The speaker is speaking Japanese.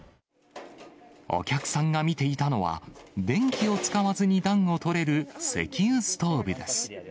お客さんが見ていたのは、電気を使わずに暖をとれる石油ストーブです。